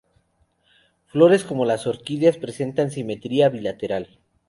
Flores como las orquídeas presentan simetría bilateral.